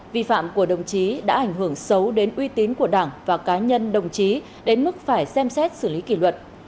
vi phạm của đồng chí đã ảnh hưởng xấu đến uy tín của đảng và cá nhân đồng chí đến mức phải xem xét xử lý kỷ luật